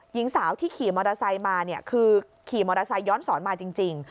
หญิงสาวที่ขี่มอเตอร์ไซค์มาเนี่ยคือขี่มอเตอร์ไซคย้อนสอนมาจริง